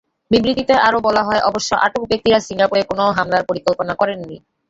বিবৃতিতে আরও বলা হয়, অবশ্য আটক ব্যক্তিরা সিঙ্গাপুরে কোনো হামলার পরিকল্পনা করেননি।